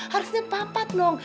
harusnya papa dong